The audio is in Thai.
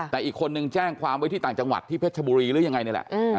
แต่อีกคนนึงแจ้งความไว้ที่ต่างจังหวัดที่เพชรชบุรีหรือยังไงนี่แหละ